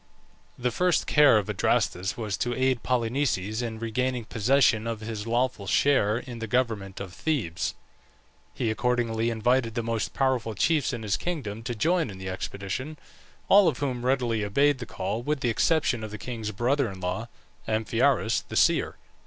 The first care of Adrastus was to aid Polynices in regaining possession of his lawful share in the government of Thebes. He accordingly invited the most powerful chiefs in his kingdom to join in the expedition, all of whom readily obeyed the call with the exception of the king's brother in law, Amphiaraus, the seer.